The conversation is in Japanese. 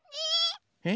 え？